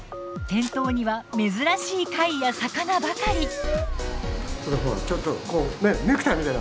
店頭には珍しい貝や魚ばかり。